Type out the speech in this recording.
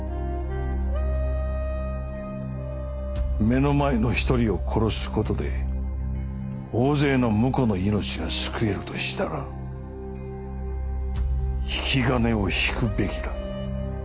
目の前の１人を殺す事で大勢の無辜の命が救えるとしたら引き金を引くべきだ。